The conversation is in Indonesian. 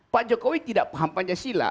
pak jokowi tidak paham pancasila